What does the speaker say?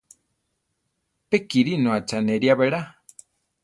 Pe Kírino acháneria berá.